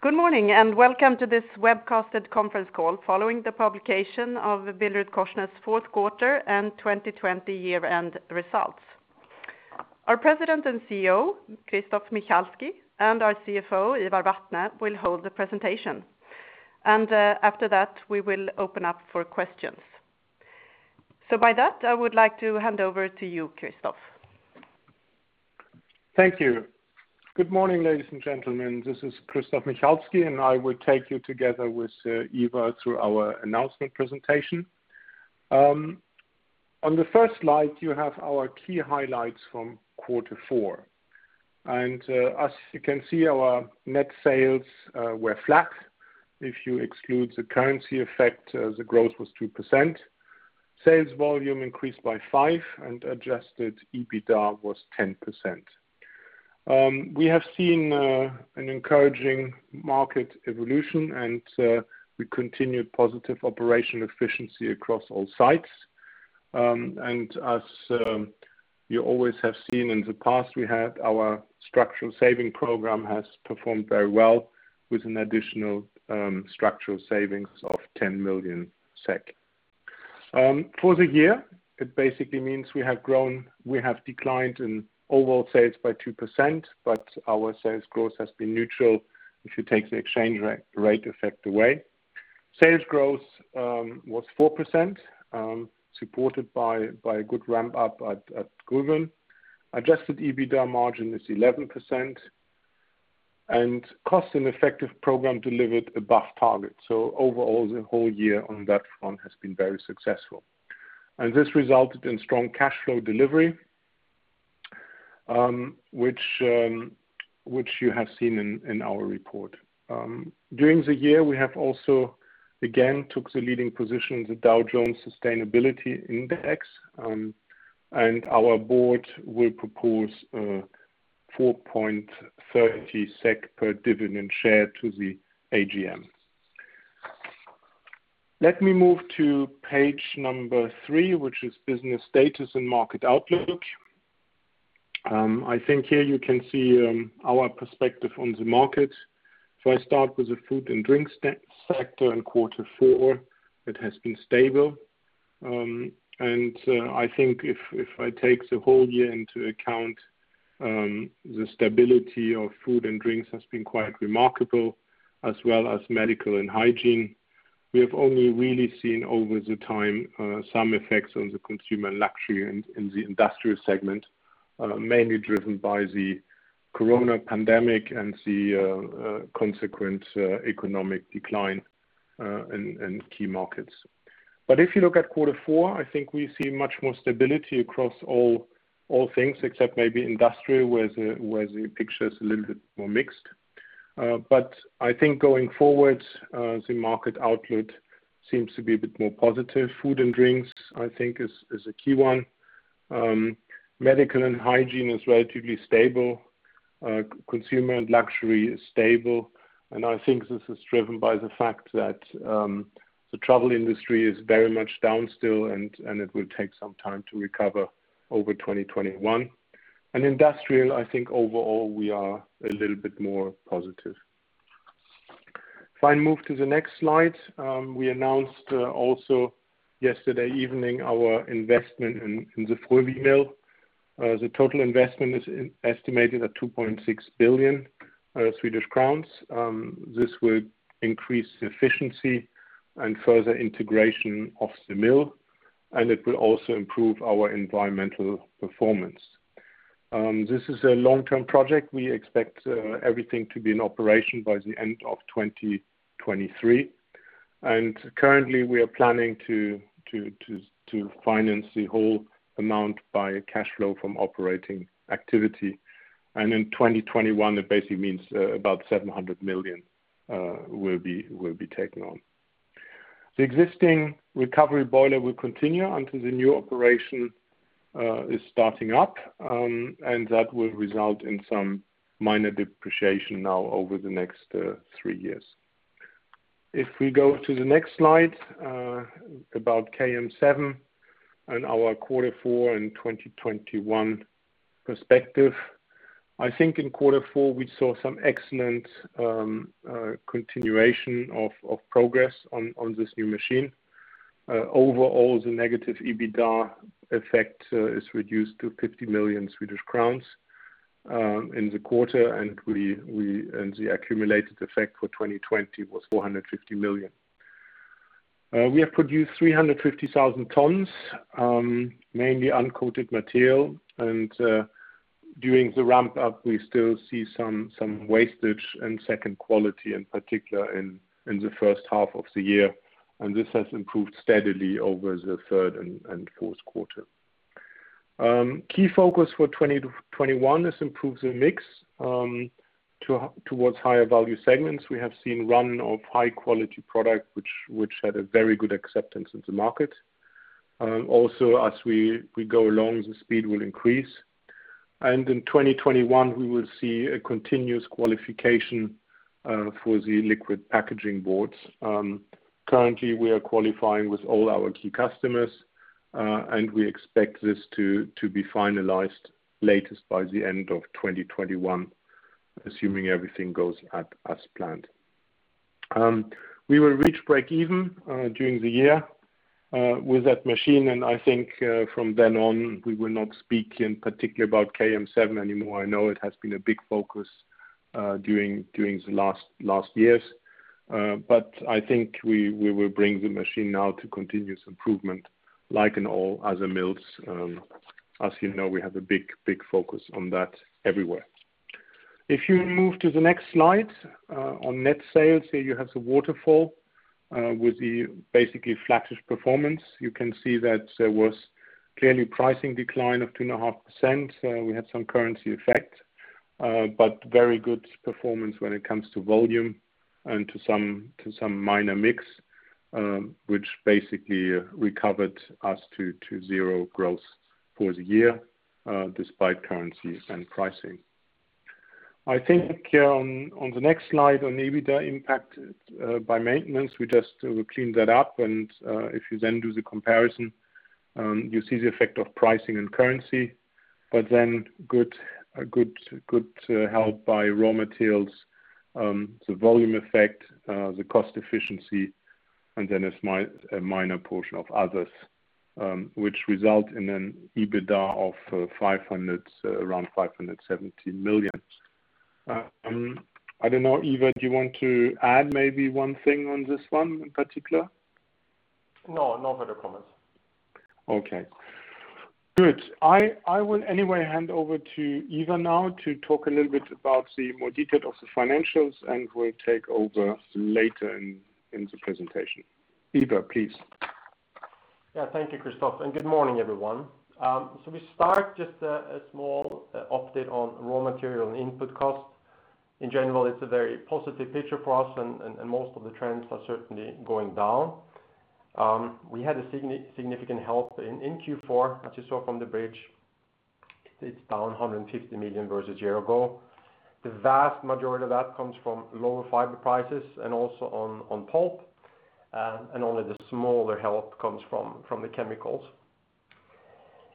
Good morning, and welcome to this webcasted conference call following the publication of BillerudKorsnäs 4th quarter and 2020 year-end results. Our President and CEO, Christoph Michalski, and our CFO, Ivar Vatne, will hold the presentation. After that, we will open up for questions. With that, I would like to hand over to you, Christoph. Thank you. Good morning, ladies and gentlemen. This is Christoph Michalski, and I will take you, together with Ivar, through our announcement presentation. On the first slide, you have our key highlights from Q4. As you can see, our net sales were flat. If you exclude the currency effect, the growth was 2%. Sales volume increased by 5%, and adjusted EBITDA was 10%. We have seen an encouraging market evolution, and we continued positive operation efficiency across all sites. As you always have seen in the past, our structural saving program has performed very well with an additional structural savings of 10 million SEK. For the year, it basically means we have declined in overall sales by 2%, but our sales growth has been neutral if you take the exchange rate effect away. Sales growth was 4%, supported by a good ramp-up at Gruvön. Adjusted EBITDA margin is 11%. Cost and efficiency program delivered above target. Overall, the whole year on that front has been very successful. This resulted in strong cash flow delivery, which you have seen in our report. During the year, we have also again taken the leading position in the Dow Jones Sustainability Index, and our board will propose 4.30 SEK per dividend share to the AGM. Let me move to page number three, which is business status and market outlook. I think here you can see our perspective on the market. If I start with the food and drink sector in Q4, it has been stable. I think if I take the whole year into account, the stability of food and drinks has been quite remarkable, as well as medical and hygiene. We have only really seen over time some effects on the consumer luxury in the industrial segment, mainly driven by the coronavirus pandemic and the consequent economic decline in key markets. If you look at Q4, I think we see much more stability across all things except maybe industrial, where the picture is a little bit more mixed. I think going forward, the market outlook seems to be a bit more positive. Food and drinks, I think, is a key one. Medical and hygiene is relatively stable. Consumer and luxury is stable, and I think this is driven by the fact that the travel industry is very much down still, and it will take some time to recover over 2021. Industrial, I think overall we are a little bit more positive. If I move to the next slide. We announced also yesterday evening our investment in the Frövi mill. The total investment is estimated at 2.6 billion Swedish crowns. This will increase efficiency and further integration of the mill, and it will also improve our environmental performance. This is a long-term project. We expect everything to be in operation by the end of 2023. Currently, we are planning to finance the whole amount by cash flow from operating activity. In 2021, that basically means about 700 million will be taken on. The existing recovery boiler will continue until the new operation is starting up, and that will result in some minor depreciation now over the next three years. If we go to the next slide, about KM7 and our Q4 and 2021 perspective. I think in Q4, we saw some excellent continuation of progress on this new machine. Overall, the negative EBITDA effect is reduced to 50 million Swedish crowns in the quarter, and the accumulated effect for 2020 was 450 million. We have produced 350,000 tons, mainly uncoated material. During the ramp-up, we still see some wastage and second quality, in particular in the first half of the year. This has improved steadily over the third and fourth quarter. Key focus for 2021 is improve the mix towards higher value segments. We have seen run of high-quality product, which had a very good acceptance in the market. Also, as we go along, the speed will increase. In 2021, we will see a continuous qualification for the liquid packaging boards. Currently, we are qualifying with all our key customers, and we expect this to be finalized latest by the end of 2021, assuming everything goes as planned. We will reach break-even during the year with that machine, and I think from then on, we will not speak in particular about KM7 anymore. I know it has been a big focus during the last years. I think we will bring the machine now to continuous improvement, like in all other mills. As you know, we have a big focus on that everywhere. If you move to the next slide, on net sales, here you have the waterfall with the basically flattish performance. You can see that there was clearly pricing decline of 2.5%. We had some currency effect, but very good performance when it comes to volume and to some minor mix, which basically recovered us to zero growth for the year, despite currencies and pricing. I think on the next slide on EBITDA impact by maintenance, we just cleaned that up, and if you then do the comparison, you see the effect of pricing and currency, but then good help by raw materials, the volume effect, the cost efficiency, and then a minor portion of others, which result in an EBITDA of around 570 million. I don't know, Ivar, do you want to add maybe one thing on this one in particular? No, no further comments. Okay. Good. I will anyway hand over to Ivar now to talk a little bit about the more detail of the financials, and will take over later in the presentation. Ivar, please. Thank you, Christoph, good morning, everyone. We start just a small update on raw material and input costs. In general, it's a very positive picture for us, most of the trends are certainly going down. We had a significant help in Q4, as you saw from the bridge. It's down 150 million versus a year ago. The vast majority of that comes from lower fiber prices and also on pulp, only the smaller help comes from the chemicals.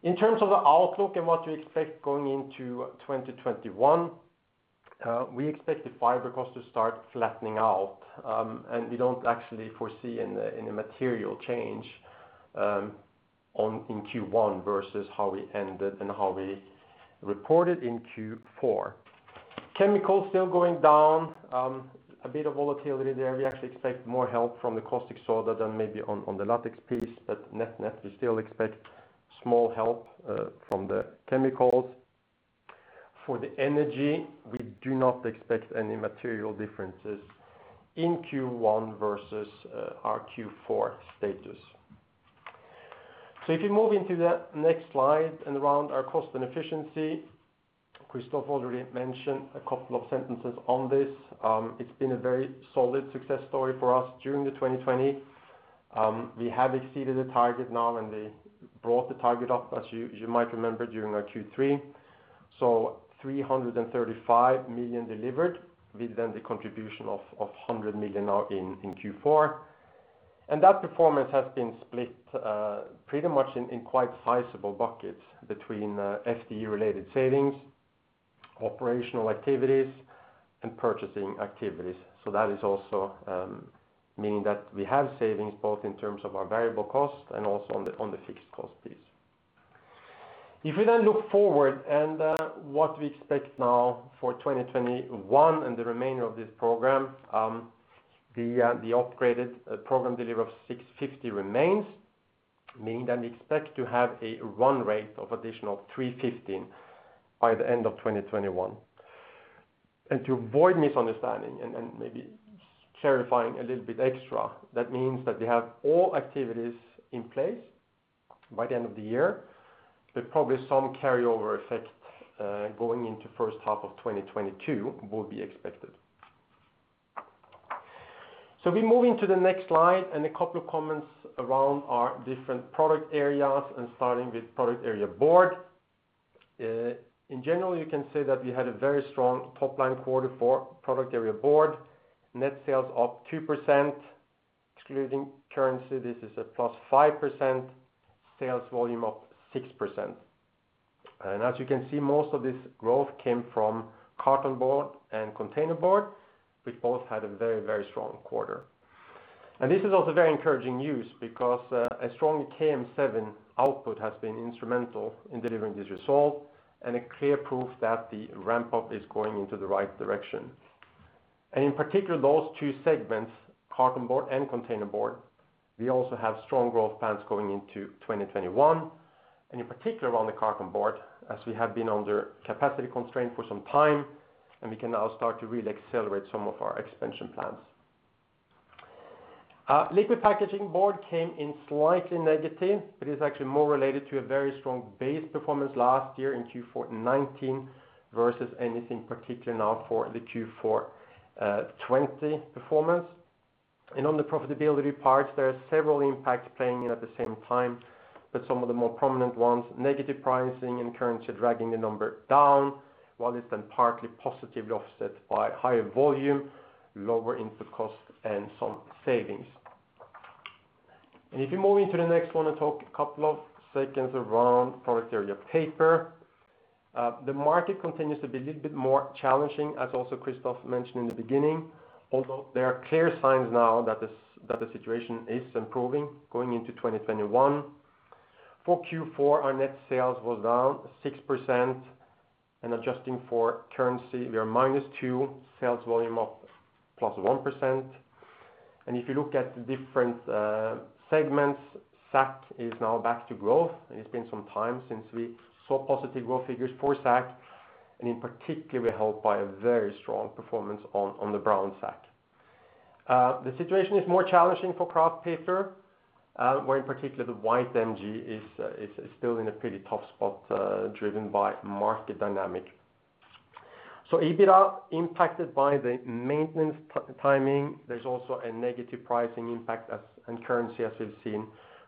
In terms of the outlook and what we expect going into 2021, we expect the fiber cost to start flattening out, we don't actually foresee any material change in Q1 versus how we ended and how we reported in Q4. Chemicals still going down. A bit of volatility there. We actually expect more help from the caustic soda than maybe on the latex piece, net, we still expect small help from the chemicals. For the energy, we do not expect any material differences in Q1 versus our Q4 status. If you move into the next slide and around our cost and efficiency, Christoph already mentioned a couple of sentences on this. It's been a very solid success story for us during the 2020. We have exceeded the target now, they brought the target up, as you might remember, during our Q3. 335 million delivered with then the contribution of 100 million now in Q4. That performance has been split pretty much in quite sizable buckets between FTE-related savings, operational activities, and purchasing activities. That is also meaning that we have savings both in terms of our variable cost and also on the fixed cost piece. If we then look forward and what we expect now for 2021 and the remainder of this program, the upgraded program delivery of 650 remains, meaning that we expect to have a run rate of additional 315 by the end of 2021. To avoid misunderstanding and maybe clarifying a little bit extra, that means that we have all activities in place by the end of the year, but probably some carryover effect, going into first half of 2022 will be expected. We move into the next slide and a couple of comments around our different product areas and starting with product area board. In general, you can say that we had a very strong top-line quarter for product area board. Net sales up 2%, excluding currency, this is a plus 5%, sales volume up 6%. As you can see, most of this growth came from carton board and containerboard. We both had a very, very strong quarter. This is also very encouraging news because a strong KM7 output has been instrumental in delivering this result and a clear proof that the ramp-up is going into the right direction. In particular, those two segments, carton board and containerboard, we also have strong growth plans going into 2021. In particular on the carton board, as we have been under capacity constraint for some time, and we can now start to really accelerate some of our expansion plans. Liquid packaging board came in slightly negative, but it's actually more related to a very strong base performance last year in Q4 2019 versus anything particular now for the Q4 2020 performance. On the profitability part, there are several impacts playing in at the same time. Some of the more prominent ones, negative pricing and currency dragging the number down, while it's then partly positively offset by higher volume, lower input costs, and some savings. If you move into the next one and talk a couple of seconds around product area paper. The market continues to be a little bit more challenging, as also Christoph mentioned in the beginning, although there are clear signs now that the situation is improving going into 2021. For Q4, our net sales was down 6%, and adjusting for currency, we are minus 2%, sales volume up +1%. If you look at the different segments, sack is now back to growth. It's been some time since we saw positive growth figures for sack, and in particular, we're helped by a very strong performance on the brown sack. The situation is more challenging for kraft paper, where in particular the white MG is still in a pretty tough spot, driven by market dynamic. EBITDA impacted by the maintenance timing. There's also a negative pricing impact and currency, as we've seen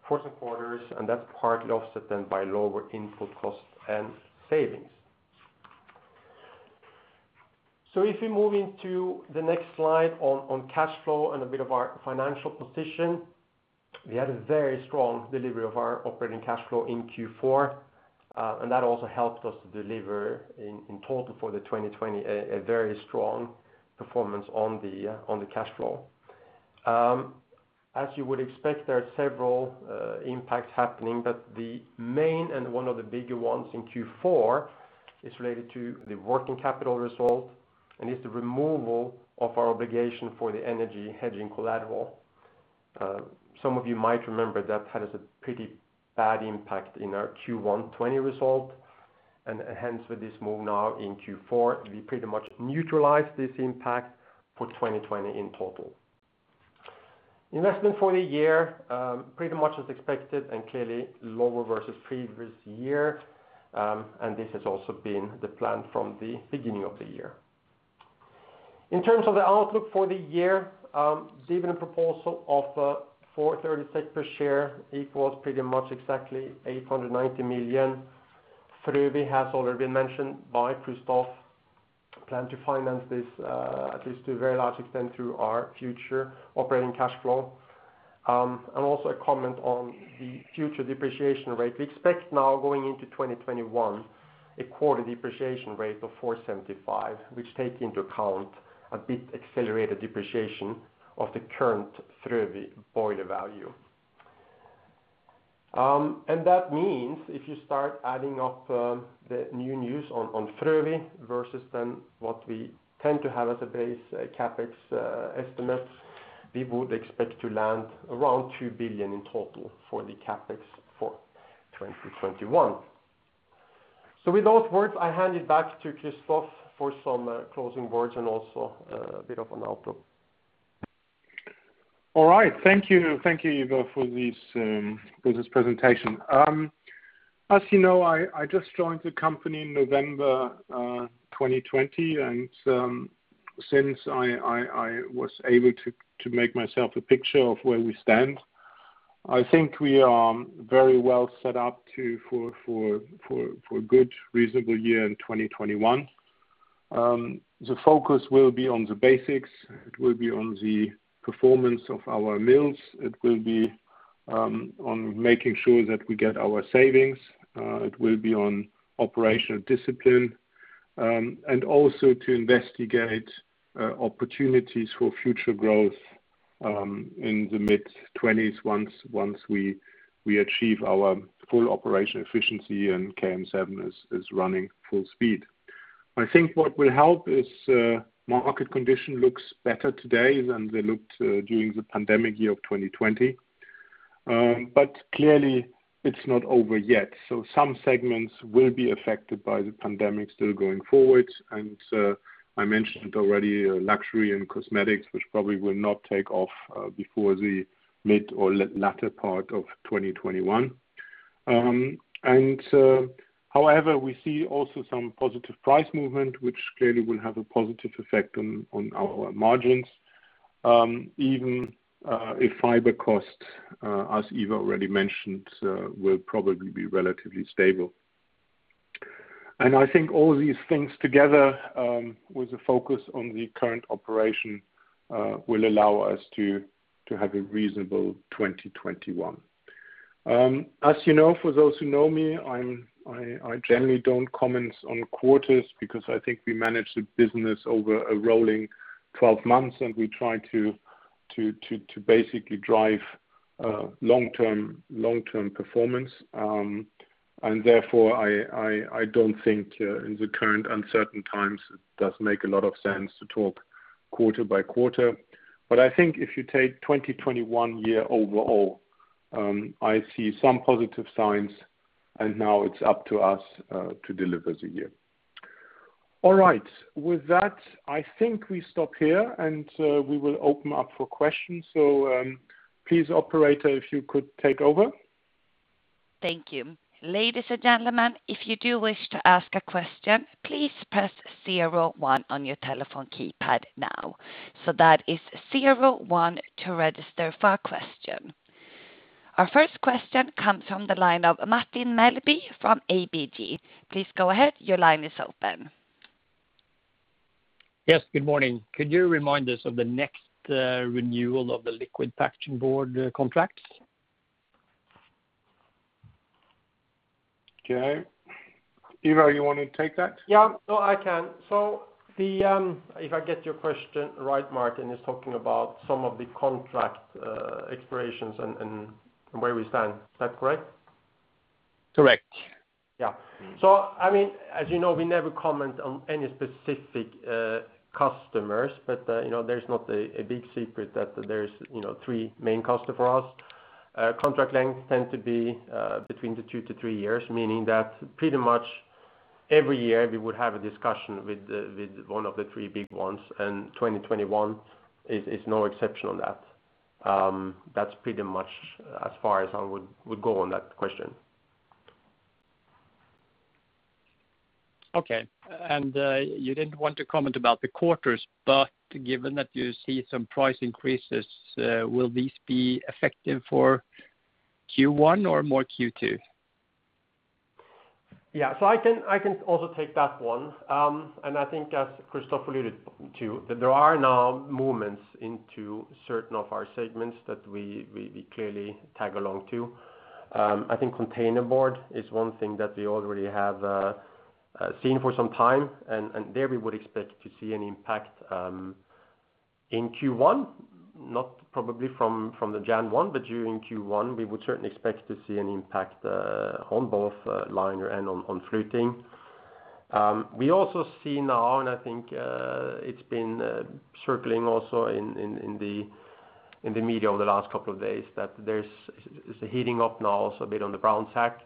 for some quarters, and that's partly offset then by lower input costs and savings. If we move into the next slide on cash flow and a bit of our financial position, we had a very strong delivery of our operating cash flow in Q4. That also helped us to deliver in total for the 2020, a very strong performance on the cash flow. As you would expect, there are several impacts happening, the main and one of the bigger ones in Q4 is related to the working capital result and is the removal of our obligation for the energy hedging collateral. Some of you might remember that had a pretty bad impact in our Q1 2020 result, hence with this move now in Q4, we pretty much neutralized this impact for 2020 in total. Investment for the year, pretty much as expected and clearly lower versus previous year. This has also been the plan from the beginning of the year. In terms of the outlook for the year, dividend proposal of 4.30 per share equals pretty much exactly 890 million. Frövi has already been mentioned by Christoph. Plan to finance this, at least to a very large extent, through our future operating cash flow. Also a comment on the future depreciation rate. We expect now going into 2021, a quarter depreciation rate of 475, which takes into account a bit accelerated depreciation of the current Frövi boiler value. That means if you start adding up the new news on Frövi versus then what we tend to have as a base CapEx estimate, we would expect to land around 2 billion in total for the CapEx for 2021. With those words, I hand it back to Christoph for some closing words and also a bit of an outlook. All right. Thank you. Thank you, Ivar, for this business presentation. As you know, I just joined the company in November 2020, and since I was able to make myself a picture of where we stand, I think we are very well set up for a good, reasonable year in 2021. The focus will be on the basics. It will be on the performance of our mills. It will be on making sure that we get our savings. It will be on operational discipline. Also to investigate opportunities for future growth in the mid-'20s once we achieve our full operation efficiency and KM7 is running full speed. I think what will help is market condition looks better today than they looked during the pandemic year of 2020. Clearly, it's not over yet, so some segments will be affected by the pandemic still going forward. I mentioned already luxury and cosmetics, which probably will not take off before the mid or latter part of 2021. However, we see also some positive price movement, which clearly will have a positive effect on our margins, even if fiber cost, as Ivar already mentioned, will probably be relatively stable. I think all these things together, with a focus on the current operation, will allow us to have a reasonable 2021. As you know, for those who know me, I generally don't comment on quarters because I think we manage the business over a rolling 12 months, and we try to basically drive long-term performance. Therefore, I don't think in the current uncertain times, it does make a lot of sense to talk quarter by quarter. I think if you take 2021 year overall, I see some positive signs, and now it's up to us to deliver the year. All right. With that, I think we stop here, and we will open up for questions. Please, operator, if you could take over. Thank you. Ladies and gentlemen, if you do wish to ask a question, please press 01 on your telephone keypad now. That is 01 to register for a question. Our first question comes from the line of Martin Melbye from ABG Sundal Collier. Please go ahead. Your line is open. Yes, good morning. Could you remind us of the next renewal of the liquid packaging board contracts? Okay. Ivar, you want to take that? Yeah. No, I can. If I get your question right, Martin is talking about some of the contract expirations and where we stand. Is that correct? Correct. Yeah. As you know, we never comment on any specific customers, but there's not a big secret that there's three main customer for us. Contract lengths tend to be between the two-three years, meaning that pretty much every year we would have a discussion with one of the three big ones, and 2021 is no exception on that. That's pretty much as far as I would go on that question. Okay. You didn't want to comment about the quarters, but given that you see some price increases, will these be effective for Q1 or more Q2? Yeah. I can also take that one. I think as Christoph alluded to, that there are now movements into certain of our segments that we clearly tag along to. I think containerboard is one thing that we already have seen for some time. There we would expect to see an impact in Q1, not probably from January 1, but during Q1, we would certainly expect to see an impact on both liner and on fluting. We also see now, I think it's been circling also in the media over the last couple of days, that there's a heating up now also a bit on the brown sack.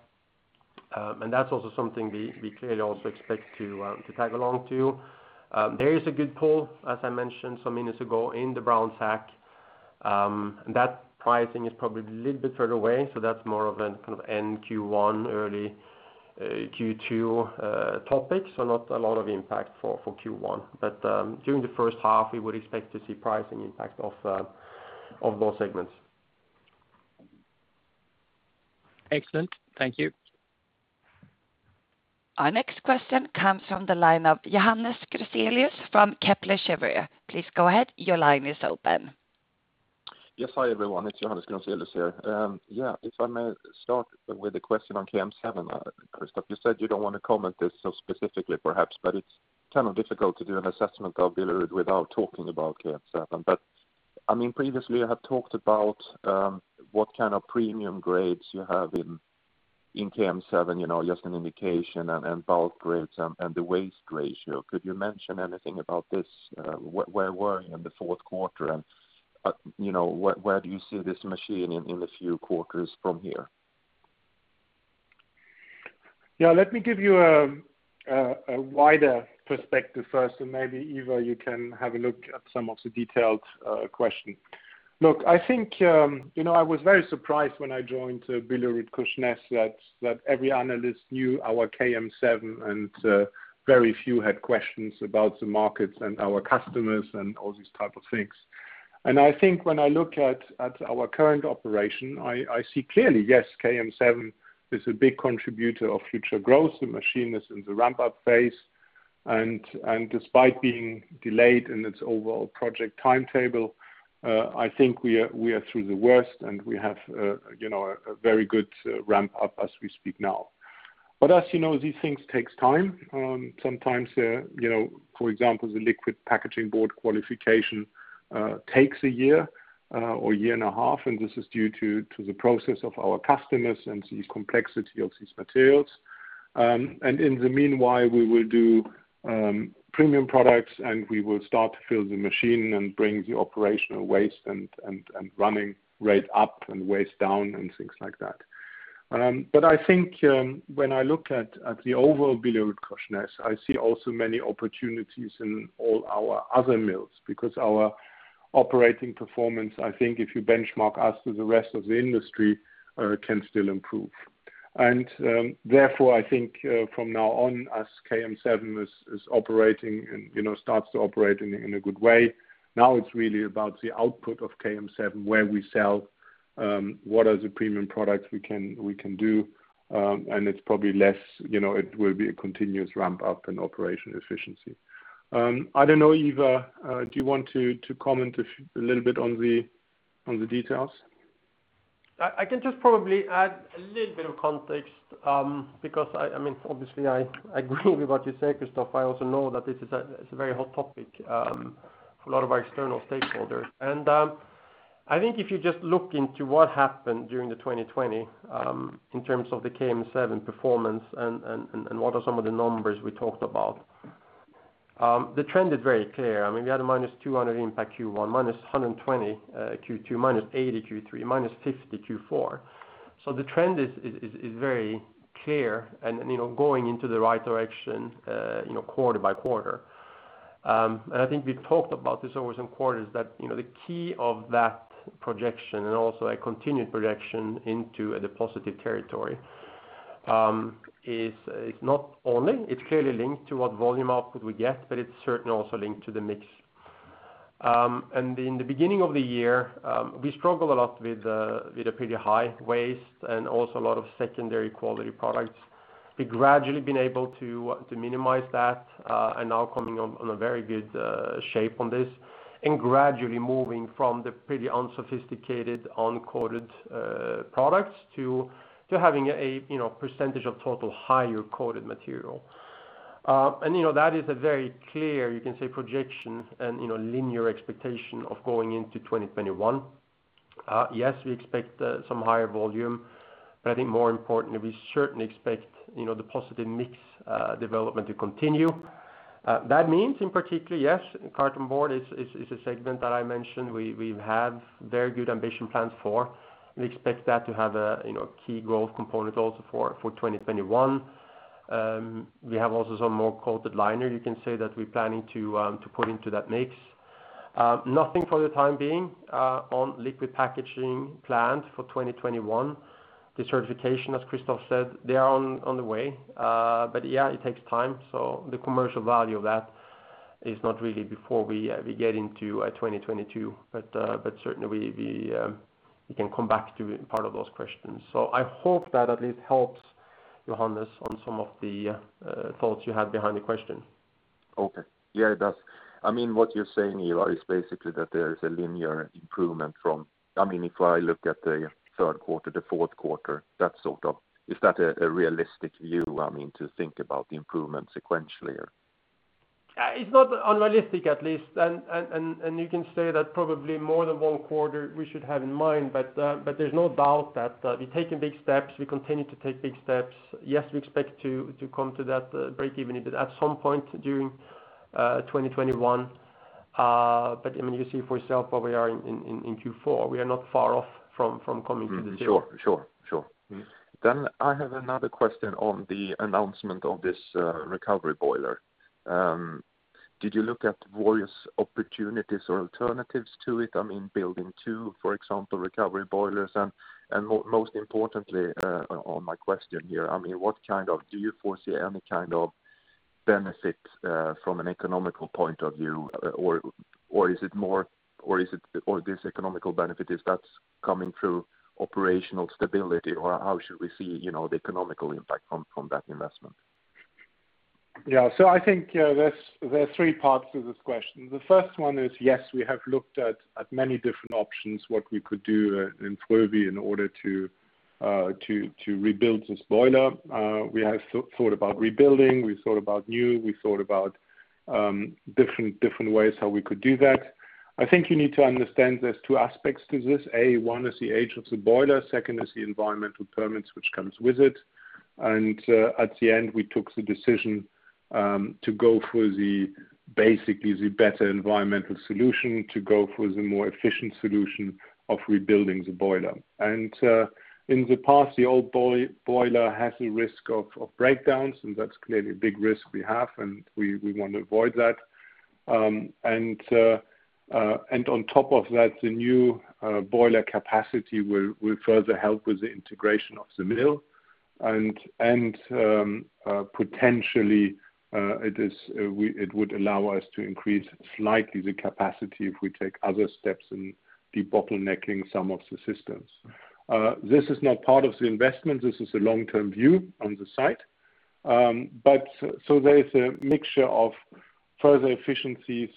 That's also something we clearly also expect to tag along to. There is a good pull, as I mentioned some minutes ago, in the brown sack. That pricing is probably a little bit further away, so that's more of an end Q1, early Q2 topic. Not a lot of impact for Q1. During the first half, we would expect to see pricing impact of both segments. Excellent. Thank you. Our next question comes from the line of Johannes Grunselius from Kepler Cheuvreux. Please go ahead. Your line is open. Yes. Hi, everyone. It's Johannes Grunselius here. If I may start with a question on KM7, Christoph. You said you don't want to comment this so specifically perhaps, but it's kind of difficult to do an assessment of Billerud without talking about KM7. Previously you have talked about what kind of premium grades you have in KM7, just an indication and bulk grades and the waste ratio. Could you mention anything about this? Where were you in the fourth quarter? Where do you see this machine in the few quarters from here? Yeah, let me give you a wider perspective first, and maybe Ivar, you can have a look at some of the detailed question. Look, I was very surprised when I joined BillerudKorsnäs that every analyst knew our KM7 and very few had questions about the markets and our customers and all these type of things. I think when I look at our current operation, I see clearly, yes, KM7 is a big contributor of future growth. The machine is in the ramp-up phase. Despite being delayed in its overall project timetable, I think we are through the worst, and we have a very good ramp-up as we speak now. As you know, these things takes time. Sometimes, for example, the liquid packaging board qualification takes a year or a year and a half. This is due to the process of our customers and the complexity of these materials. In the meanwhile, we will do premium products, and we will start to fill the machine and bring the operational waste and running rate up and waste down and things like that. I think when I look at the overall BillerudKorsnäs, I see also many opportunities in all our other mills because our operating performance, I think if you benchmark us to the rest of the industry, can still improve. Therefore, I think from now on as KM7 is operating and starts to operate in a good way, now it's really about the output of KM7, where we sell, what are the premium products we can do. It will be a continuous ramp-up in operation efficiency. I don't know, Ivar, do you want to comment a little bit on the details? I can just probably add a little bit of context, because obviously I agree with what you say, Christoph. I also know that this is a very hot topic for a lot of our external stakeholders. I think if you just look into what happened during 2020, in terms of the KM7 performance and what are some of the numbers we talked about. The trend is very clear. We had a minus 200 impact Q1, minus 120 Q2, minus 80 Q3, minus 50 Q4. The trend is very clear and going into the right direction quarter by quarter. I think we talked about this over some quarters that the key of that projection and also a continued projection into the positive territory, is not only, it's clearly linked to what volume output we get, but it's certainly also linked to the mix. In the beginning of the year, we struggled a lot with pretty high waste and also a lot of secondary quality products. We gradually been able to minimize that and now coming on a very good shape on this. Gradually moving from the pretty unsophisticated uncoated products to having a percentage of total higher coated material. That is a very clear, you can say projection and linear expectation of going into 2021. Yes, we expect some higher volume, but I think more importantly, we certainly expect the positive mix development to continue. That means, in particular, yes, carton board is a segment that I mentioned, we have very good ambition plans for. We expect that to have a key growth component also for 2021. We have also some more coated liner, you can say that we're planning to put into that mix. Nothing for the time being on liquid packaging planned for 2021. The certification, as Christoph said, they are on the way. Yeah, it takes time, so the commercial value of that is not really before we get into 2022. Certainly, we can come back to part of those questions. I hope that at least helps, Johannes Grunselius, on some of the thoughts you had behind the question. Okay. Yeah, it does. What you're saying, Ivar, is basically that there is a linear improvement from, if I look at the third quarter to fourth quarter. Is that a realistic view to think about the improvement sequentially? It's not unrealistic at least. You can say that probably more than one quarter we should have in mind, but there's no doubt that we've taken big steps. We continue to take big steps. Yes, we expect to come to that breakeven at some point during 2021. You see for yourself where we are in Q4, we are not far off from coming to the table. Sure. I have another question on the announcement of this recovery boiler. Did you look at various opportunities or alternatives to it? Building two, for example, recovery boilers and most importantly, on my question here, do you foresee any kind of benefit, from an economical point of view? This economical benefit, is that coming through operational stability, or how should we see the economical impact from that investment? Yeah. I think there are three parts to this question. The first one is, yes, we have looked at many different options, what we could do in Frövi in order to rebuild this boiler. We have thought about rebuilding, we thought about new, we thought about different ways how we could do that. I think you need to understand there's two aspects to this. A, one is the age of the boiler, second is the environmental permits, which comes with it. At the end, we took the decision to go for the, basically, the better environmental solution, to go for the more efficient solution of rebuilding the boiler. In the past, the old boiler has a risk of breakdowns, and that's clearly a big risk we have, and we want to avoid that. On top of that, the new boiler capacity will further help with the integration of the mill. Potentially, it would allow us to increase slightly the capacity if we take other steps in debottlenecking some of the systems. This is not part of the investment. This is a long-term view on the site. There is a mixture of further efficiencies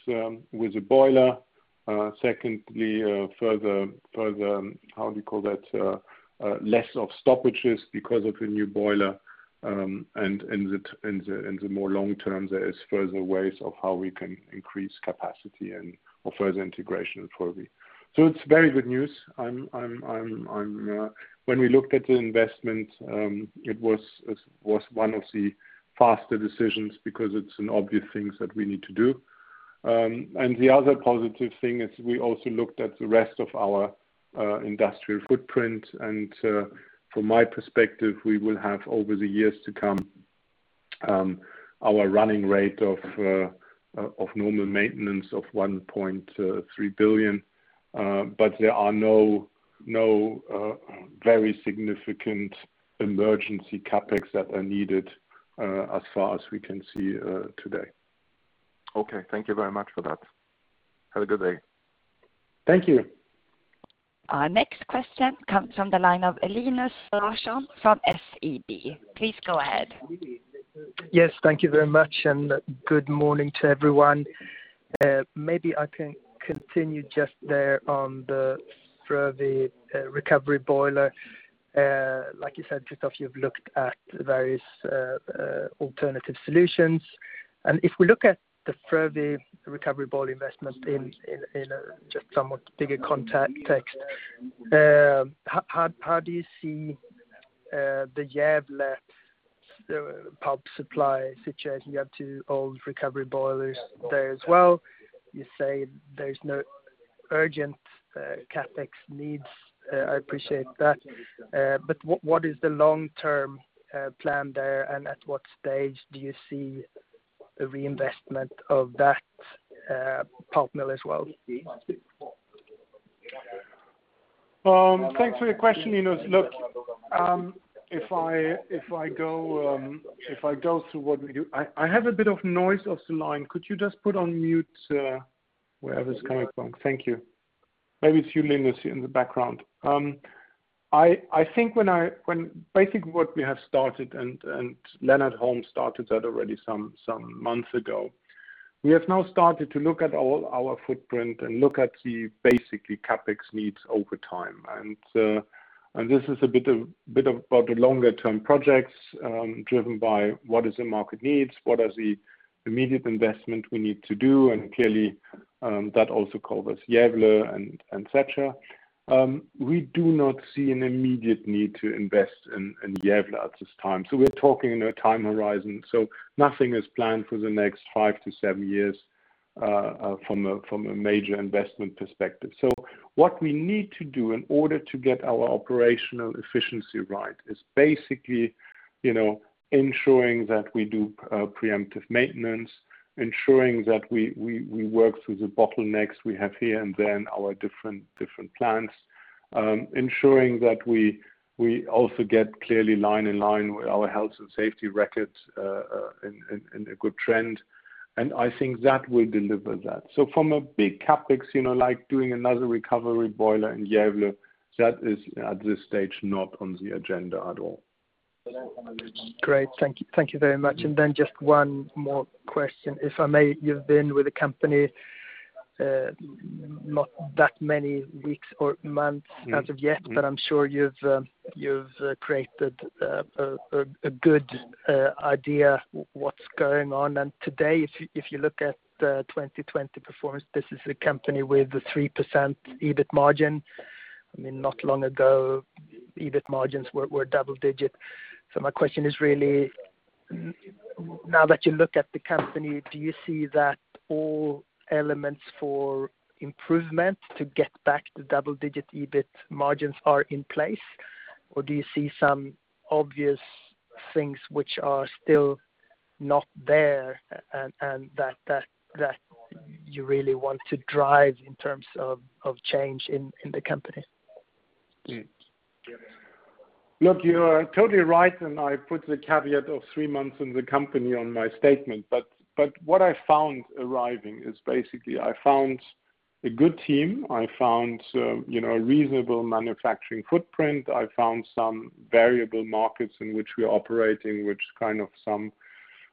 with the boiler. Secondly, further, how do you call that? Less of stoppages because of the new boiler, and the more long-term, there is further ways of how we can increase capacity and further integration in Frövi. It's very good news. When we looked at the investment, it was one of the faster decisions because it's an obvious things that we need to do. The other positive thing is we also looked at the rest of our industrial footprint, and from my perspective, we will have over the years to come, our running rate of normal maintenance of 1.3 billion. There are no very significant emergency CapEx that are needed, as far as we can see today. Okay. Thank you very much for that. Have a good day. Thank you. Our next question comes from the line of Linus Larsson from SEB. Please go ahead. Yes, thank you very much, and good morning to everyone. Maybe I can continue just there on the Frövi recovery boiler. Like you said, Christoph, you've looked at various alternative solutions. If we look at the Frövi recovery boiler investment in a just somewhat bigger context, how do you see the Gävle pulp supply situation? You have two old recovery boilers there as well. You say there's no urgent CapEx needs. I appreciate that. What is the long-term plan there, and at what stage do you see a reinvestment of that pulp mill as well? Thanks for your question, Linus. Look, if I go through what we do. I have a bit of noise of the line. Could you just put on mute wherever it's coming from? Thank you. Maybe it's you, Linus, in the background. I think basically what we have started, and Lennart Holm started that already some months ago, we have now started to look at all our footprint and look at the basically CapEx needs over time. This is a bit about the longer-term projects, driven by what does the market need, what is the immediate investment we need to do, and clearly, that also covers Gävle, et cetera. We do not see an immediate need to invest in Gävle at this time. We're talking in a time horizon. Nothing is planned for the next five to seven years from a major investment perspective. What we need to do in order to get our operational efficiency right is basically ensuring that we do preemptive maintenance, ensuring that we work through the bottlenecks we have here and there in our different plants. Ensuring that we also get clearly line in line with our health and safety records in a good trend. I think that will deliver that. From a big CapEx, like doing another recovery boiler in Gävle, that is at this stage not on the agenda at all. Great. Thank you very much. Then just one more question, if I may. You've been with the company not that many weeks or months as of yet, but I'm sure you've created a good idea what's going on. Today, if you look at the 2020 performance, this is a company with a 3% EBIT margin. Not long ago, EBIT margins were double-digit. My question is really, now that you look at the company, do you see that all elements for improvement to get back to double-digit EBIT margins are in place, or do you see some obvious things which are still not there, and that you really want to drive in terms of change in the company? You are totally right. I put the caveat of three months in the company on my statement. What I found arriving is basically, I found a good team. I found a reasonable manufacturing footprint. I found some variable markets in which we are operating, which kind of some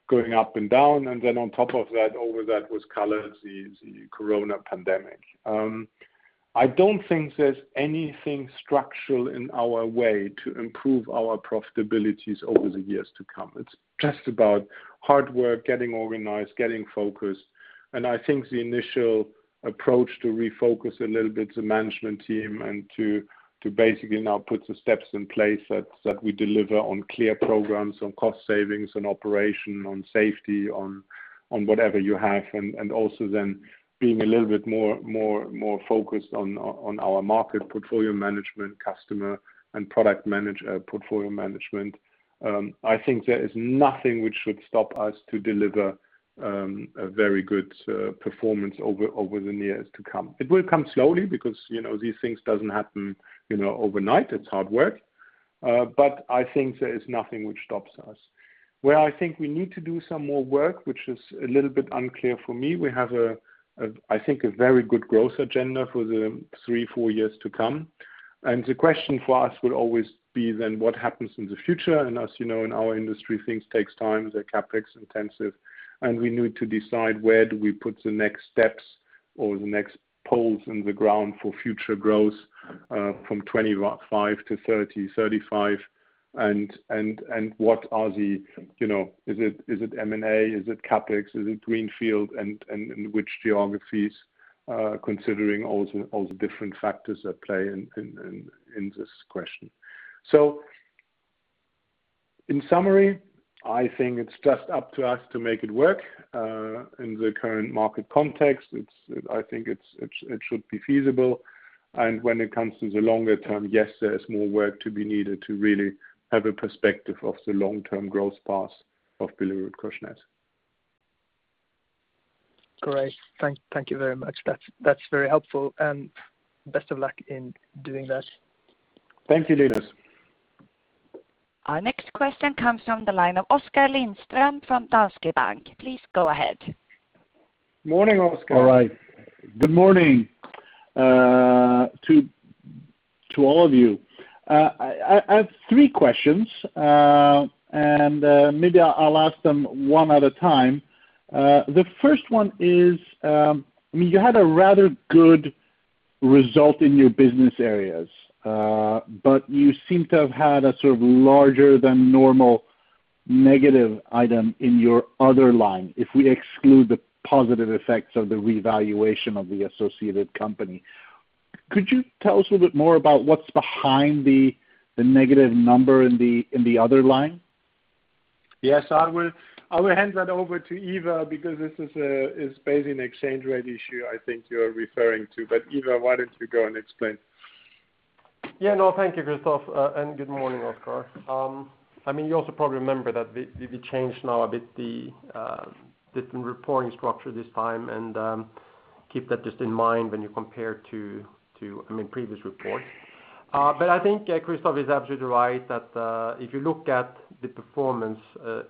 going up and down. On top of that, over that was colored the Corona pandemic. I don't think there's anything structural in our way to improve our profitabilities over the years to come. It's just about hard work, getting organized, getting focused. I think the initial approach to refocus a little bit the management team and to basically now put the steps in place that we deliver on clear programs, on cost savings, on operation, on safety, on whatever you have. Also then being a little bit more focused on our market portfolio management customer and product portfolio management. I think there is nothing which should stop us to deliver a very good performance over the years to come. It will come slowly because these things doesn't happen overnight. It's hard work. I think there is nothing which stops us. Where I think we need to do some more work, which is a little bit unclear for me, we have, I think, a very good growth agenda for the three, four years to come. The question for us will always be then what happens in the future? As you know, in our industry, things take time. They're CapEx intensive, and we need to decide where do we put the next steps or the next poles in the ground for future growth from 2025 to 2030, 2035. Is it M&A? Is it CapEx? Is it greenfield? In which geographies? Considering all the different factors at play in this question. In summary, I think it's just up to us to make it work in the current market context. I think it should be feasible. When it comes to the longer term, yes, there is more work to be needed to really have a perspective of the long-term growth path of BillerudKorsnäs. Great. Thank you very much. That's very helpful. Best of luck in doing that. Thank you, Linus. Our next question comes from the line of Oskar Lindström from Danske Bank. Please go ahead. Morning, Oskar. All right. Good morning to all of you. I have three questions, and maybe I'll ask them one at a time. The first one is, you had a rather good result in your business areas, but you seem to have had a sort of larger than normal negative item in your other line, if we exclude the positive effects of the revaluation of the associated company. Could you tell us a little bit more about what's behind the negative number in the other line? Yes. I will hand that over to Ivar because this is based on an exchange rate issue I think you're referring to. Ivar, why don't you go and explain? Thank you, Christoph, and good morning, Oskar. You also probably remember that we changed now a bit the different reporting structure this time and keep that just in mind when you compare to previous reports. I think Christoph is absolutely right that if you look at the performance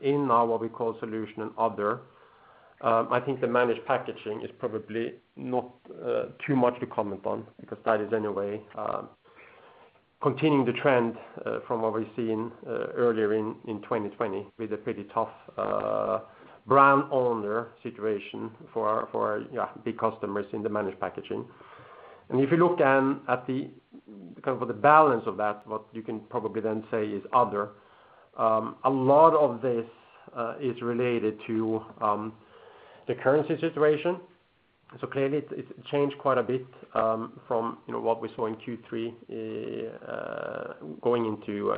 in our, what we call Solutions and Other, I think the Managed Packaging is probably not too much to comment on because that is anyway continuing the trend from what we've seen earlier in 2020 with a pretty tough brand owner situation for our big customers in the Managed Packaging. If you look then at the kind of the balance of that, what you can probably then say is Other. A lot of this is related to the currency situation. Clearly it changed quite a bit from what we saw in Q3 going into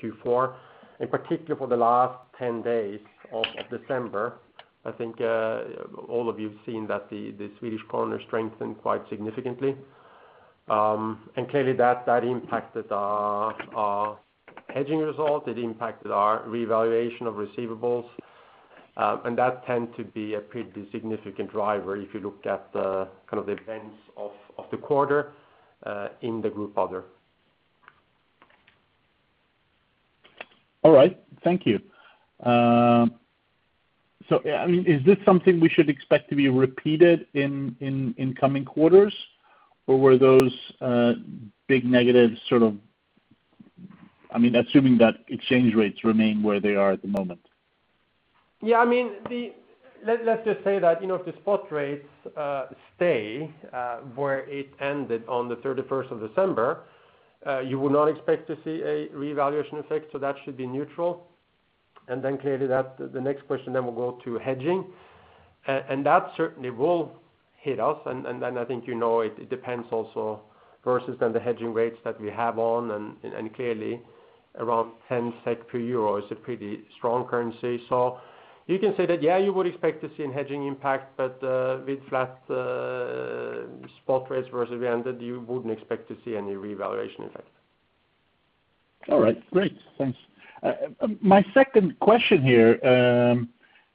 Q4. In particular for the last 10 days of December, I think all of you have seen that the SEK strengthened quite significantly. Clearly that impacted our hedging result. It impacted our revaluation of receivables. That tend to be a pretty significant driver if you look at the kind of events of the quarter in the group other. All right. Thank you. Is this something we should expect to be repeated in coming quarters or were those big negatives? Assuming that exchange rates remain where they are at the moment. Yeah. Let's just say that if the spot rates stay where it ended on the 31st of December, you would not expect to see a revaluation effect, so that should be neutral. Clearly the next question then will go to hedging. That certainly will hit us and I think you know it depends also versus then the hedging rates that we have on and clearly around 10 SEK per EUR is a pretty strong currency. You can say that, yeah, you would expect to see a hedging impact. With flat spot rates versus where we ended, you wouldn't expect to see any revaluation effect. All right. Great. Thanks. My second question here,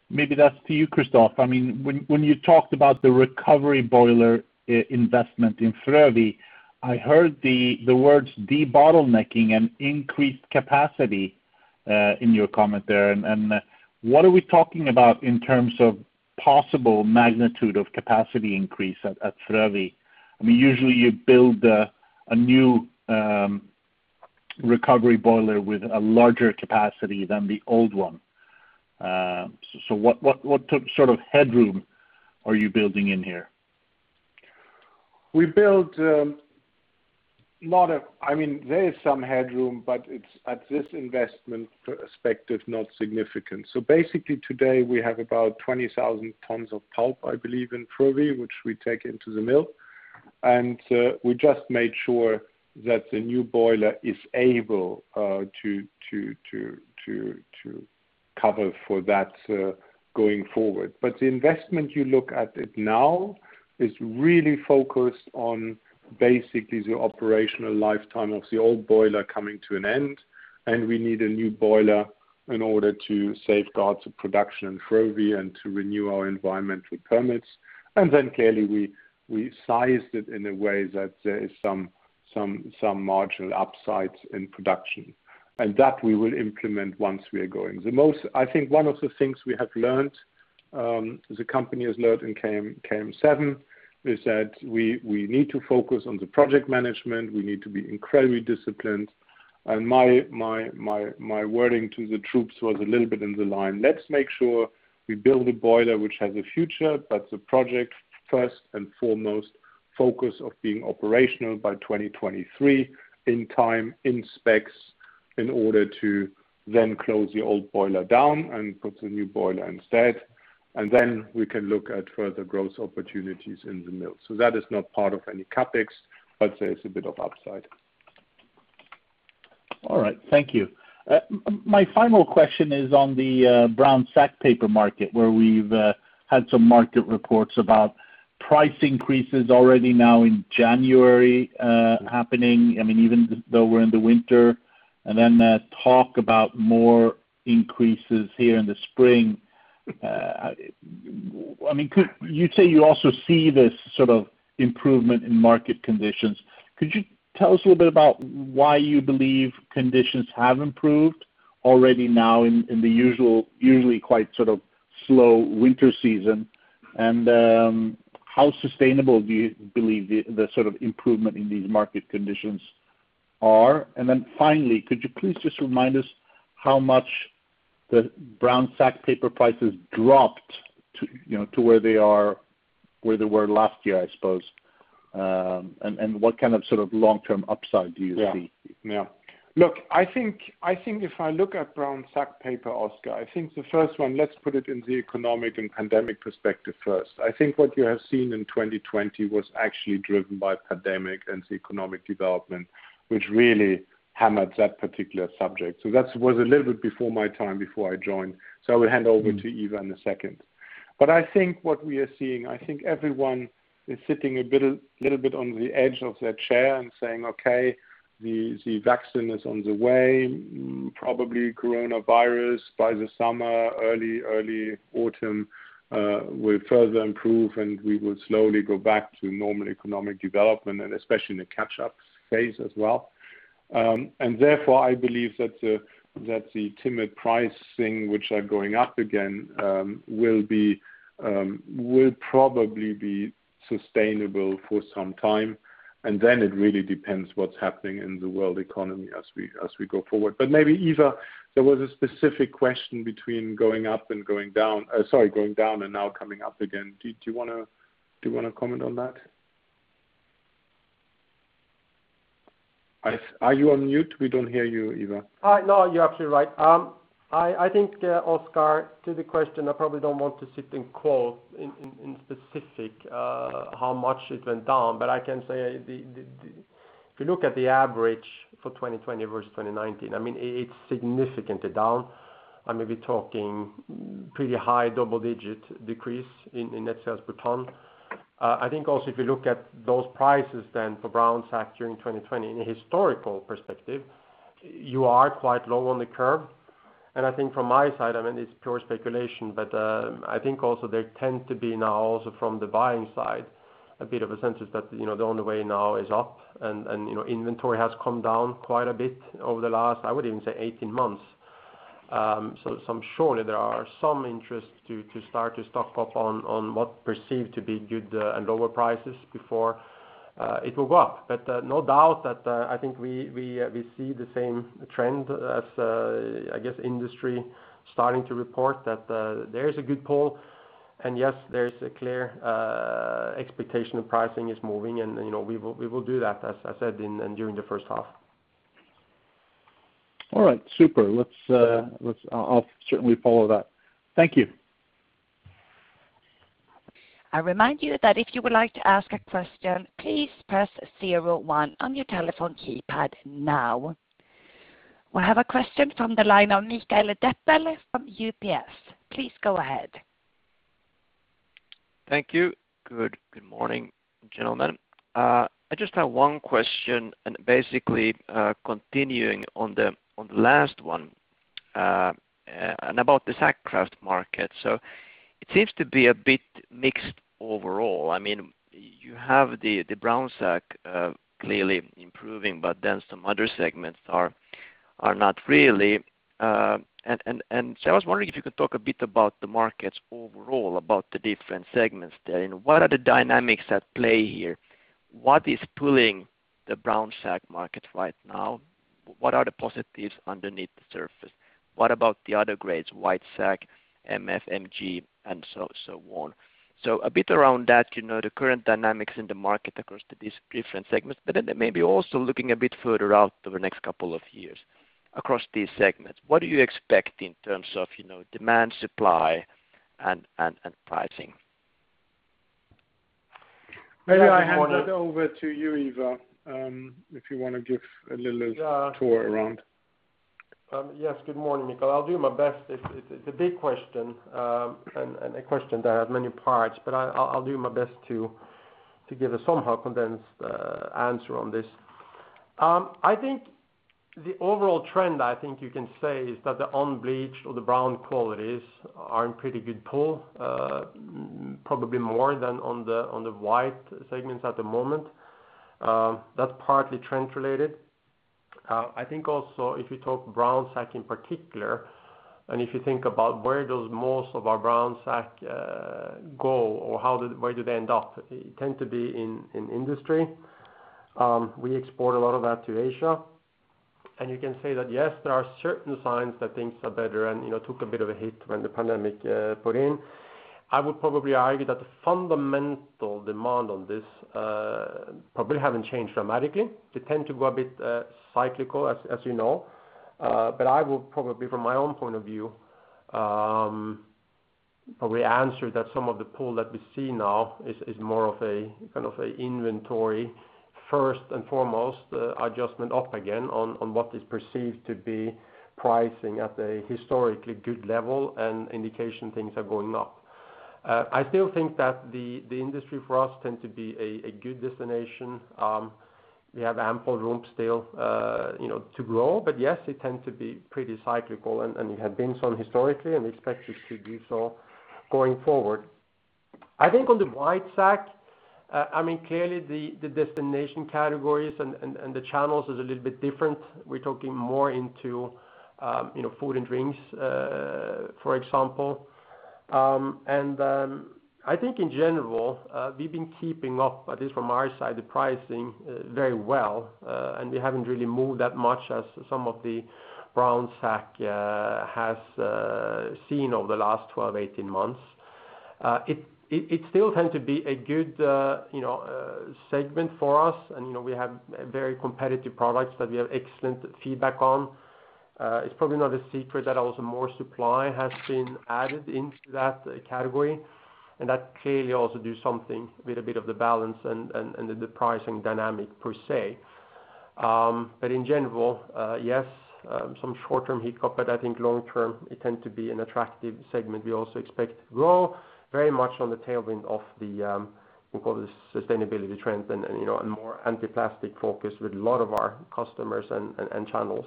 maybe that's to you, Christoph. When you talked about the recovery boiler investment in Frövi, I heard the words debottlenecking and increased capacity in your comment there. What are we talking about in terms of possible magnitude of capacity increase at Frövi? Usually you build a new recovery boiler with a larger capacity than the old one. What sort of headroom are you building in here? There is some headroom, but it's at this investment perspective, not significant. Basically today we have about 20,000 tons of pulp, I believe, in Frövi, which we take into the mill. We just made sure that the new boiler is able to cover for that going forward. The investment you look at it now is really focused on basically the operational lifetime of the old boiler coming to an end, and we need a new boiler in order to safeguard the production in Frövi and to renew our environmental permits. Clearly we sized it in a way that there is some marginal upsides in production. That we will implement once we are going. I think one of the things we have learned, the company has learned in KM7 is that we need to focus on the project management. We need to be incredibly disciplined. My wording to the troops was a little bit in the line, "Let's make sure we build a boiler which has a future, but the project first and foremost focus of being operational by 2023 in time, in specs, in order to then close the old boiler down and put the new boiler instead. We can look at further growth opportunities in the mill." That is not part of any CapEx, but there is a bit of upside. All right. Thank you. My final question is on the brown sack paper market, where we've had some market reports about price increases already now in January happening, even though we're in the winter, and then talk about more increases here in the spring. You'd say you also see this sort of improvement in market conditions. Could you tell us a little bit about why you believe conditions have improved already now in the usually quite sort of slow winter season? How sustainable do you believe the sort of improvement in these market conditions are? Finally, could you please just remind us how much the brown sack paper prices dropped to where they were last year, I suppose? What kind of sort of long-term upside do you see? Yeah. Look, I think if I look at brown sack paper, Oskar, I think the first one, let's put it in the economic and pandemic perspective first. I think what you have seen in 2020 was actually driven by pandemic and the economic development, which really hammered that particular subject. That was a little bit before my time, before I joined. I will hand over to Ivar in a second. I think what we are seeing, I think everyone is sitting a little bit on the edge of their chair and saying, "Okay, the vaccine is on the way. Probably coronavirus by the summer, early autumn, will further improve, and we will slowly go back to normal economic development," and especially in the catch-up phase as well. Therefore, I believe that the timid pricing, which are going up again, will probably be sustainable for some time. It really depends what's happening in the world economy as we go forward. Maybe, Ivar, there was a specific question between going up and going down. Sorry, going down and now coming up again. Do you want to comment on that? Are you on mute? We don't hear you, Ivar. No, you're absolutely right. I think, Oskar, to the question, I probably don't want to sit and quote in specific how much it went down, but I can say if you look at the average for 2020 versus 2019, it's significantly down. I may be talking pretty high, double-digit decrease in net sales per ton. I think also if you look at those prices then for brown sack during 2020 in a historical perspective, you are quite low on the curve. I think from my side, it's pure speculation, but I think also there tend to be now also from the buying side, a bit of a sense is that the only way now is up. Inventory has come down quite a bit over the last, I would even say 18 months. Surely there are some interest to start to stock up on what's perceived to be good and lower prices before it will go up. No doubt that I think we see the same trend as, I guess, industry starting to report that there is a good pull, and yes, there is a clear expectation of pricing is moving, and we will do that, as I said, during the first half. All right. Super. I'll certainly follow that. Thank you. I remind you that if you would like to ask a question, please press zero one on your telephone keypad now. We have a question from the line of Mikael Doepel from UBS. Please go ahead. Thank you. Good morning, gentlemen. I just have one question, basically, continuing on the last one, about the sack kraft market. It seems to be a bit mixed overall. You have the brown sack clearly improving, some other segments are not really. I was wondering if you could talk a bit about the markets overall, about the different segments there, and what are the dynamics at play here? What is pulling the brown sack market right now? What are the positives underneath the surface? What about the other grades, white sack, MF, MG, so on. A bit around that, the current dynamics in the market across these different segments, maybe also looking a bit further out over the next couple of years across these segments. What do you expect in terms of demand, supply, and pricing? Maybe I hand that over to you, Ivar, if you want to give a little tour around. Yes. Good morning, Mikael. I'll do my best. It's a big question, and a question that has many parts, but I'll do my best to give a somehow condensed answer on this. I think the overall trend, I think you can say, is that the unbleached or the brown qualities are in pretty good pull, probably more than on the white segments at the moment. That's partly trend related. I think also if you talk brown sack in particular, and if you think about where does most of our brown sack go or where do they end up? It tend to be in industry. We export a lot of that to Asia. You can say that, yes, there are certain signs that things are better and took a bit of a hit when the pandemic put in. I would probably argue that the fundamental demand on this probably haven't changed dramatically. They tend to go a bit cyclical, as you know. I will probably, from my own point of view, probably answer that some of the pull that we see now is more of a kind of an inventory first and foremost adjustment up again on what is perceived to be pricing at a historically good level and indication things are going up. I still think that the industry for us tend to be a good destination. We have ample room still to grow. Yes, it tends to be pretty cyclical, and it had been so historically, and we expect it to be so going forward. I think on the white sack, clearly the destination categories and the channels is a little bit different. We're talking more into food and drinks, for example. I think in general, we've been keeping up, at least from our side, the pricing very well, and we haven't really moved that much as some of the brown sack has seen over the last 12, 18 months. It still tend to be a good segment for us, and we have very competitive products that we have excellent feedback on. It's probably not a secret that also more supply has been added into that category, and that clearly also do something with a bit of the balance and the pricing dynamic per se. In general, yes, some short-term hiccup, but I think long-term it tend to be an attractive segment. We also expect growth very much on the tailwind of the, we call this sustainability trends and more anti-plastic focus with a lot of our customers and channels.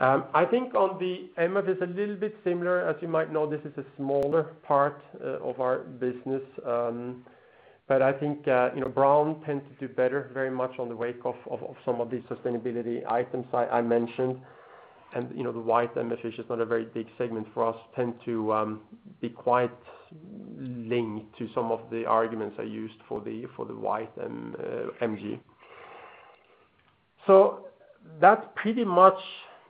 I think on the MF is a little bit similar. As you might know, this is a smaller part of our business. I think brown tends to do better very much on the wake of some of these sustainability items I mentioned. The white MF is not a very big segment for us, tend to be quite linked to some of the arguments I used for the white MG. That's pretty much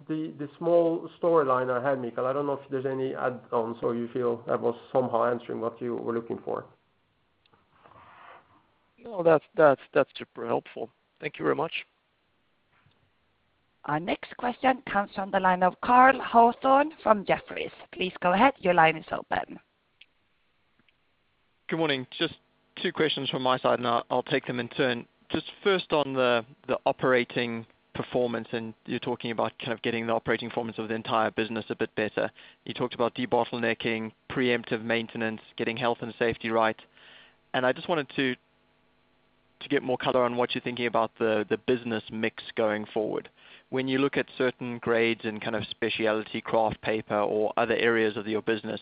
the small storyline I had, Mikael. I don't know if there's any add-ons or you feel that was somehow answering what you were looking for. No, that's super helpful. Thank you very much. Our next question comes from the line of Cole Hathorn from Jefferies. Please go ahead. Your line is open. Good morning. Just two questions from my side, and I'll take them in turn. Just first on the operating performance, and you're talking about kind of getting the operating performance of the entire business a bit better. You talked about debottlenecking, preemptive maintenance, getting health and safety right. I just wanted to get more color on what you're thinking about the business mix going forward. When you look at certain grades and kind of specialty kraft paper or other areas of your business,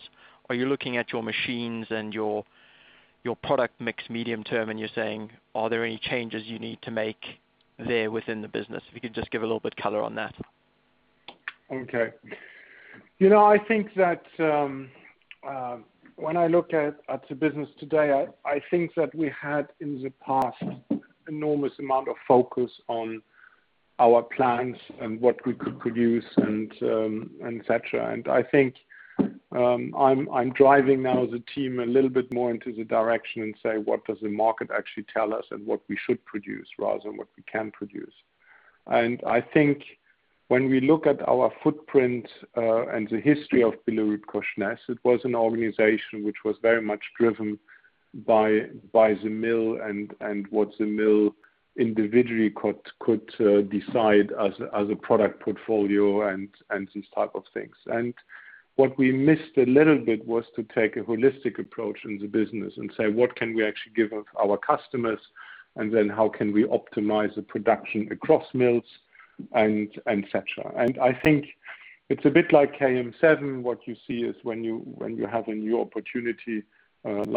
are you looking at your machines and your product mix medium term and you're saying, are there any changes you need to make there within the business? If you could just give a little bit color on that. Okay. I think that when I look at the business today, I think that we had in the past enormous amount of focus on our plans and what we could produce and et cetera. I think I'm driving now the team a little bit more into the direction and say, what does the market actually tell us and what we should produce rather than what we can produce. I think when we look at our footprint, and the history of BillerudKorsnäs, it was an organization which was very much driven by the mill and what the mill individually could decide as a product portfolio and these type of things. What we missed a little bit was to take a holistic approach in the business and say, "What can we actually give our customers?" Then how can we optimize the production across mills and et cetera. I think it's a bit like KM7. What you see is when you have a new opportunity,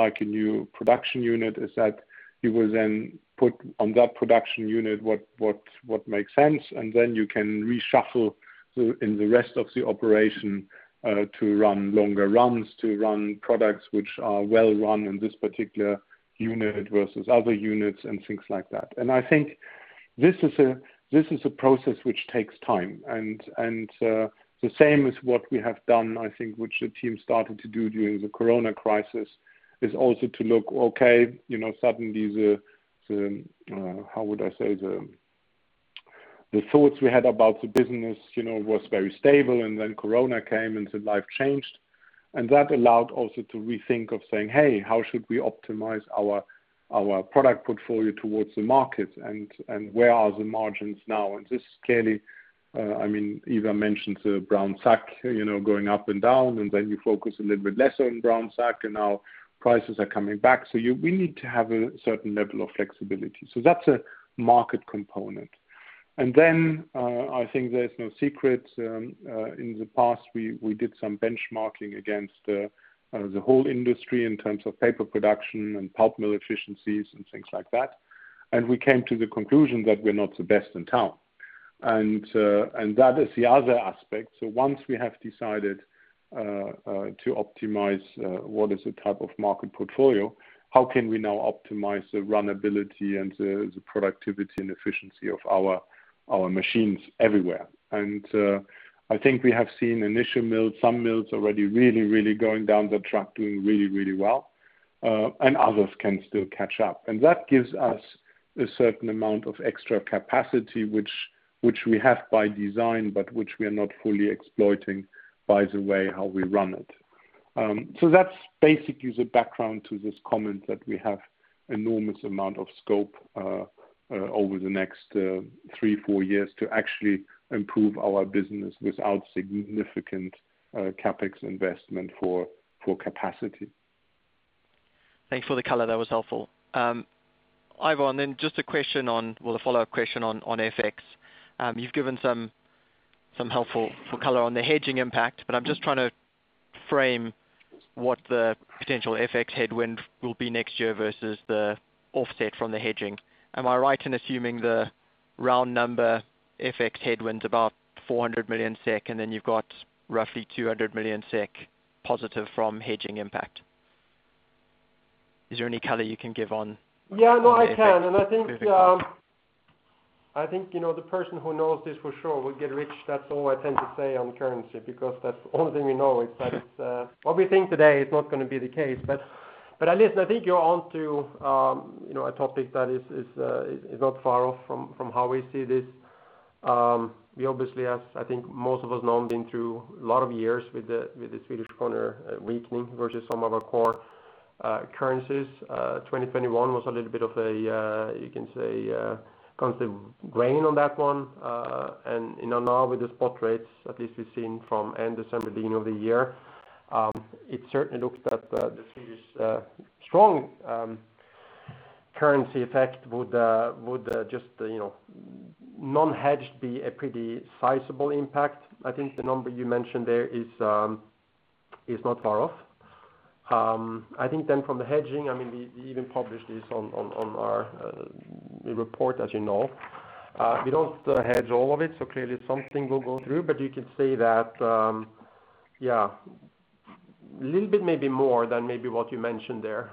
like a new production unit, is that you will then put on that production unit what makes sense, and then you can reshuffle in the rest of the operation, to run longer runs, to run products which are well-run in this particular unit versus other units and things like that. I think this is a process which takes time. The same as what we have done, I think, which the team started to do during the COVID crisis, is also to look, okay, suddenly the, how would I say? The thoughts we had about the business was very stable and then COVID came and the life changed. That allowed also to rethink of saying, "Hey, how should we optimize our product portfolio towards the market? Where are the margins now? This clearly, I mean, Ivar mentioned the brown sack going up and down, you focus a little bit less on brown sack, now prices are coming back. We need to have a certain level of flexibility. That's a market component. I think there's no secret, in the past, we did some benchmarking against the whole industry in terms of paper production and pulp mill efficiencies and things like that. We came to the conclusion that we're not the best in town. That is the other aspect. Once we have decided to optimize what is the type of market portfolio, how can we now optimize the runnability and the productivity and efficiency of our machines everywhere? I think we have seen initial mill, some mills already really going down the track doing really well. Others can still catch up. That gives us a certain amount of extra capacity, which we have by design, but which we are not fully exploiting by the way how we run it. That's basically the background to this comment that we have enormous amount of scope over the next three, four years to actually improve our business without significant CapEx investment for capacity. Thanks for the color. That was helpful. Ivar, just a follow-up question on FX. You've given some helpful color on the hedging impact, but I'm just trying to frame what the potential FX headwind will be next year versus the offset from the hedging. Am I right in assuming the round number FX headwind's about 400 million SEK, and then you've got roughly 200 million SEK positive from hedging impact? Is there any color you can give on? Yeah. No, I can. I think the person who knows this for sure will get rich. That's all I tend to say on currency, because that's only thing we know is that what we think today is not going to be the case. At least I think you're onto a topic that is not far off from how we see this. We obviously have, I think most of us know, been through a lot of years with the Swedish kronor weakening versus some of our core currencies. 2021 was a little bit of a, you can say, constant drain on that one. Now with the spot rates, at least we've seen from end December, beginning of the year, it certainly looks that the Swedish strong currency effect would just non-hedged be a pretty sizable impact. I think the number you mentioned there is not far off. I think from the hedging, we even published this on our report as you know. We don't hedge all of it, clearly something will go through. You can say that, yeah, a little bit maybe more than maybe what you mentioned there,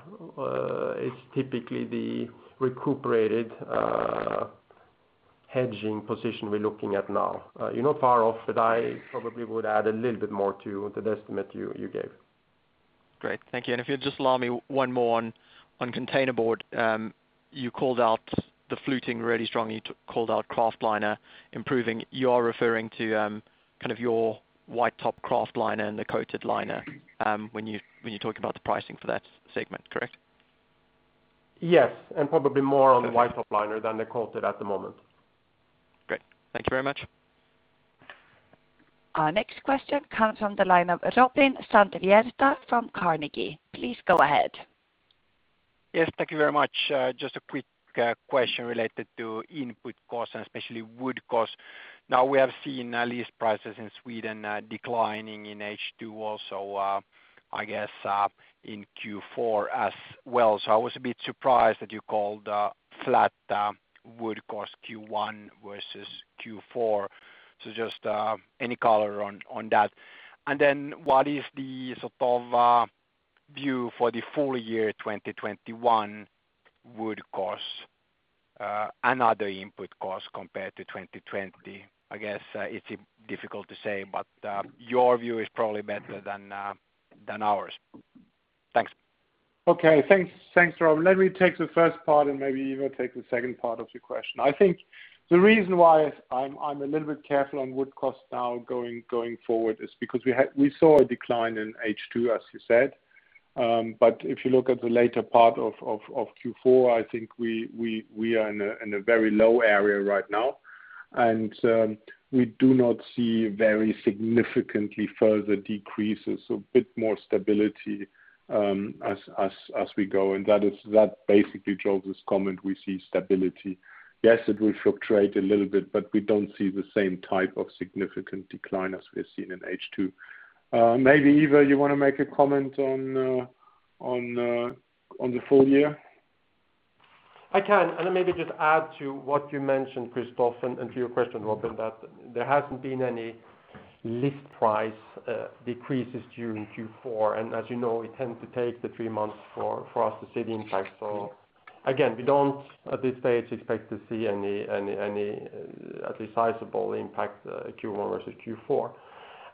is typically the recuperated hedging position we're looking at now. You're not far off, I probably would add a little bit more to the estimate you gave. Great. Thank you. If you'll just allow me one more on containerboard. You called out the fluting really strongly. You called out kraft liner improving. You are referring to your white top kraftliner and the coated liner when you talk about the pricing for that segment, correct? Yes, probably more on the white top liner than the coated at the moment. Great. Thank you very much. Our next question comes from the line of Robin Santavirta from Carnegie. Please go ahead. Yes, thank you very much. Just a quick question related to input cost and especially wood cost. Now we have seen list prices in Sweden declining in H2, also I guess in Q4 as well. I was a bit surprised that you called flat wood cost Q1 versus Q4. Just any color on that? What is the sort of view for the full year 2021 wood cost, another input cost compared to 2020? I guess it's difficult to say, but your view is probably better than ours. Thanks. Okay. Thanks, Robin. Let me take the first part and maybe Ivar take the second part of your question. I think the reason why I am a little bit careful on wood cost now going forward is because we saw a decline in H2, as you said. If you look at the later part of Q4, I think we are in a very low area right now, and we do not see very significantly further decreases. A bit more stability as we go. That basically drove this comment, we see stability. Yes, it will fluctuate a little bit, but we don't see the same type of significant decline as we have seen in H2. Maybe Ivar, you want to make a comment on the full year? I can. Maybe just add to what you mentioned, Christoph, and to your question, Robin, that there hasn't been any list price decreases during Q4. As you know, it tends to take the three months for us to see the impact. Again, we don't at this stage expect to see any at least sizable impact Q1 versus Q4.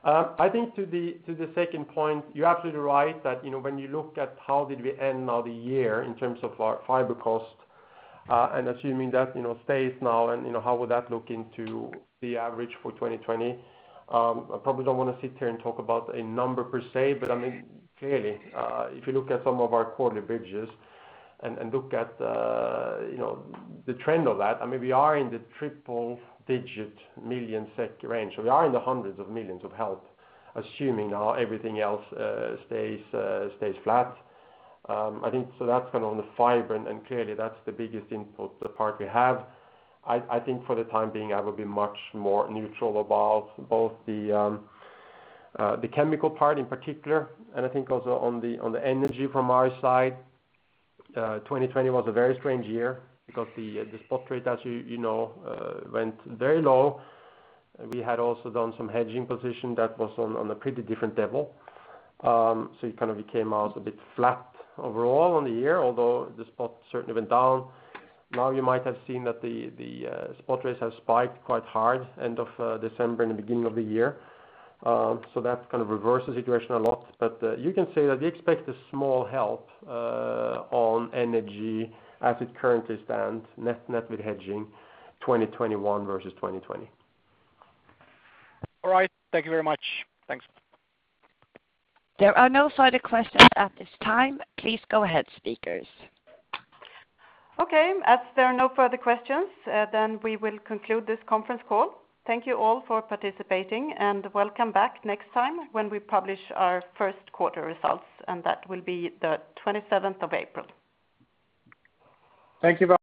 I think to the second point, you're absolutely right that when you look at how did we end now the year in terms of our fiber cost, and assuming that stays now, and how would that look into the average for 2020? I probably don't want to sit here and talk about a number per se, but clearly, if you look at some of our quarterly bridges and look at the trend of that, we are in the triple-digit million SEK range. We are in the hundreds of millions of SEK, assuming now everything else stays flat. That's on the fiber, and clearly that's the biggest input part we have. I think for the time being, I would be much more neutral about both the chemical part in particular and I think also on the energy from our side. 2020 was a very strange year because the spot rate, you know, went very low. We had also done some hedging position that was on a pretty different level. It kind of came out a bit flat overall on the year, although the spot certainly went down. You might have seen that the spot rates have spiked quite hard end of December and the beginning of the year. That kind of reversed the situation a lot. You can say that we expect a small help on energy as it currently stands, net with hedging 2021 versus 2020. All right. Thank you very much. Thanks. There are no further questions at this time. Please go ahead, speakers. Okay, as there are no further questions, we will conclude this conference call. Thank you all for participating, welcome back next time when we publish our first quarter results, that will be the 27th of April. Thank you very much.